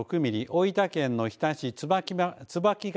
大分県の日田市椿ヶ